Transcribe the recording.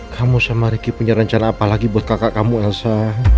kamu sama ricky punya rencana apa lagi buat kakak kamu elsa